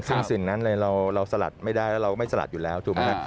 ซึ่งสิ่งนั้นเลยเราสลัดไม่ได้แล้วเราไม่สลัดอยู่แล้ว